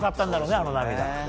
あの涙は。